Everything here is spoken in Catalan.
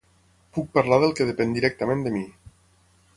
Puc parlar del que depèn directament de mi.